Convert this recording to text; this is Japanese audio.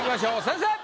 先生！